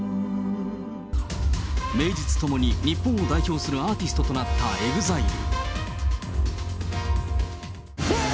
名実ともに日本を代表するアーティストとなったＥＸＩＬＥ。